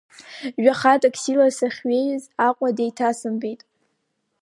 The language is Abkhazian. Жәаха таксила сахьҩеиз, Аҟәа деиҭазымбеи.